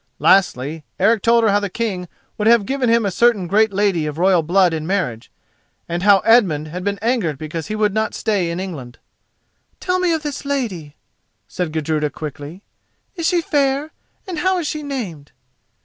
Lastly, Eric told her how the King would have given him a certain great lady of royal blood in marriage, and how Edmund had been angered because he would not stay in England. "Tell me of this lady," said Gudruda, quickly. "Is she fair, and how is she named?"